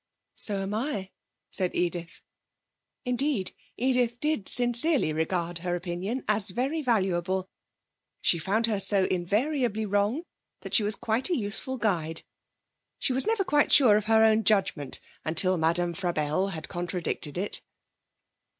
'So am I,' said Edith. Indeed Edith did sincerely regard her opinion as very valuable. She found her so invariably wrong that she was quite a useful guide. She was never quite sure of her own judgement until Madame Frabelle had contradicted it.